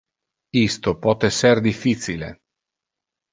isto pote ser difficile.